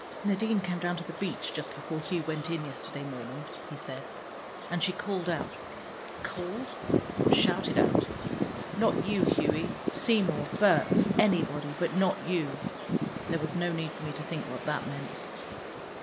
"Nadine came down to the beach just before Hugh went in yesterday morning," he said, "and she called out called? shouted out, 'Not you, Hughie: Seymour, Berts, anybody, but not you!' There was no need for me to think what that meant."